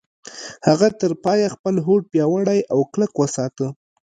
هغه تر پايه خپل هوډ پياوړی او کلک وساته.